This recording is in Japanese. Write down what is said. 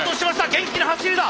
元気な走りだ！